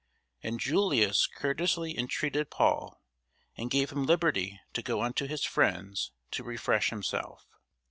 And Julius courteously entreated Paul, and gave him liberty to go unto his friends to refresh himself.